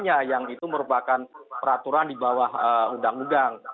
yang itu merupakan peraturan di bawah undang undang